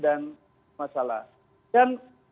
dan masalah dan